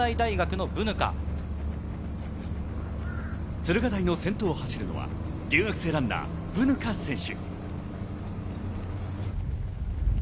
駿河台の先頭を走るのは留学生ランナー、ブヌカ選手。